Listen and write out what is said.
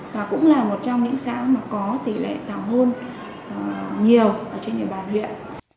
và cũng là một trong những xã mà có tỷ lệ tảo hôn nhiều trên đài bàn huyện